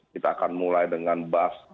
kita akan mulai dengan bus